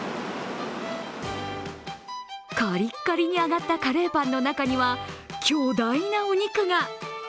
カリカリに揚がったカレーパンの中には巨大なお肉が。